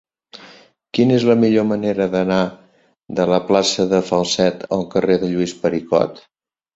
Quina és la millor manera d'anar de la plaça de Falset al carrer de Lluís Pericot?